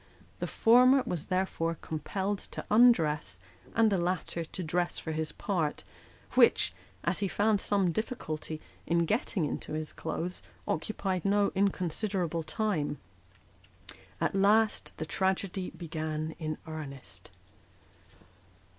The former was therefore compelled to undress, and the latter to dress for his part ; which, as he found some difficulty in getting into his clothes, occupied no inconsiderable time. At last, the tragedy began in real earnest.